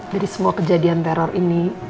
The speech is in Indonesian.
dari semua kejadian teror ini